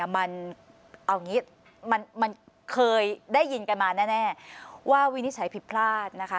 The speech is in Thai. มันเคยได้ยินกันมาแน่ว่าวินิจฉัยผิดพลาดนะคะ